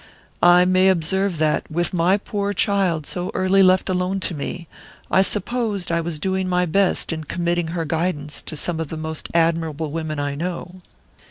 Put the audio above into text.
"I may observe that, with my poor child so early left alone to me, I supposed I was doing my best in committing her guidance to some of the most admirable women I know."